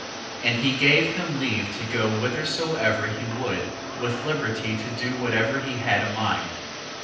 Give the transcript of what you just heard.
1:14. And he gave him leave to go whithersoever he would, with liberty to do whatever he had a mind.